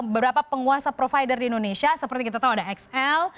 beberapa penguasa provider di indonesia seperti kita tahu ada xl